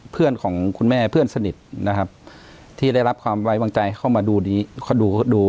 เพื่อนของคุณแม่เพื่อนสนิทนะครับที่ได้รับความไว้วางใจเข้ามาดูดู